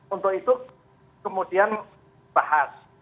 untuk itu kemudian bahas